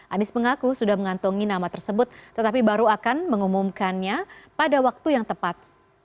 anies mengaku sudah mengantongi nama tersebut tetapi baru akan mengumumkannya pada waktu yang tepat